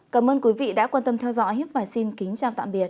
cảm ơn quý vị đã quan tâm theo dõi và xin kính chào tạm biệt